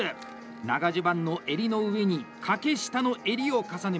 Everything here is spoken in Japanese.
長襦袢の襟の上に掛下の襟を重ねます。